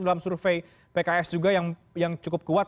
dalam survei pks juga yang cukup kuat